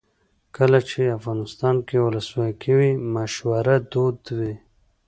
کله چې افغانستان کې ولسواکي وي مشوره دود وي.